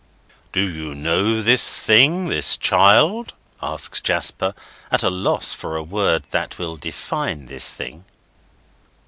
"Do you know this thing, this child?" asks Jasper, at a loss for a word that will define this thing.